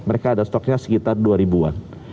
mereka ada stoknya sekitar dua ribu an